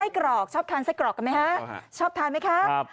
ไส้กรอกชอบทานไส้กรอกนะไหมชอบทานไหมครับ